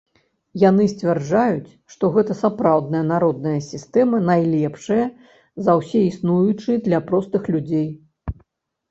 Яны сцвярджаюць, што гэта сапраўдная народная сістэма, найлепшая за ўсе існуючыя для простых людзей.